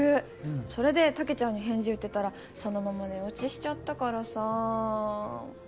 それでタケちゃんに返事打ってたらそのまま寝落ちしちゃったからさ。